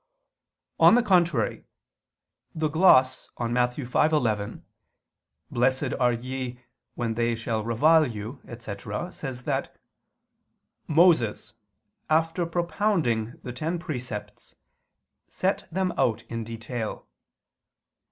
On the contrary, The gloss on Matt. 5:11: "Blessed are ye when they shall revile you," etc. says that "Moses, after propounding the ten precepts, set them out in detail."